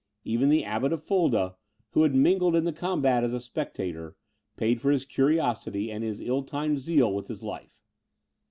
Even the Abbot of Fulda, who had mingled in the combat as a spectator, paid for his curiosity and his ill timed zeal with his life.